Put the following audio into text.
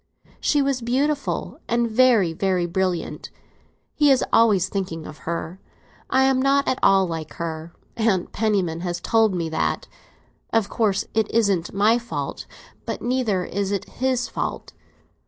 She was beautiful, and very, very brilliant; he is always thinking of her. I am not at all like her; Aunt Penniman has told me that. Of course, it isn't my fault; but neither is it his fault.